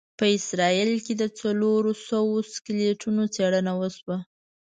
په اسرایل کې د څلوروسوو سکلیټونو څېړنه وشوه.